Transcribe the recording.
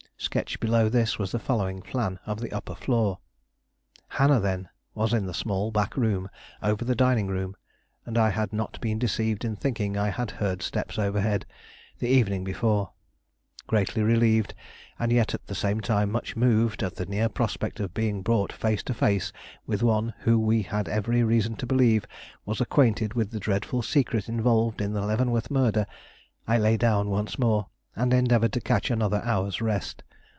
Sketched below this was the following plan of the upper floor: [Illustration: (Upper floor plan)] Hannah, then, was in the small back room over the dining room, and I had not been deceived in thinking I had heard steps overhead, the evening before. Greatly relieved, and yet at the same time much moved at the near prospect of being brought face to face with one who we had every reason to believe was acquainted with the dreadful secret involved in the Leavenworth murder, I lay down once more, and endeavored to catch another hour's rest.